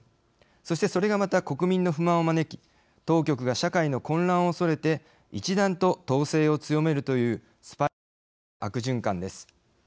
そしてそれがまた国民の不満を招き当局が社会の混乱をおそれて一段と統制を強めるというスパイラル的な悪循環です。